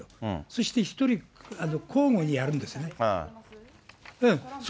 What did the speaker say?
そして１人、交互にやるんですね。